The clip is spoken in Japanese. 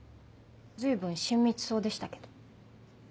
随分親密そうでしたけど。